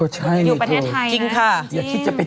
ช่วงดีที่เกิดมาที่ประเทศไทยนะ